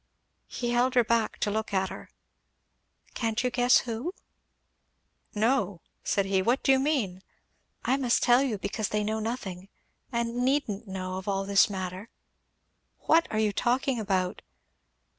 He held her back to look at her. "Can't you guess who?" "No!" said he. "What do you mean?" "I must tell you, because they know nothing, and needn't know, of all this matter." "What are you talking about?"